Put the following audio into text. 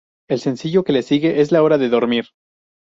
El sencillo que le sigue es La Hora de Dormir.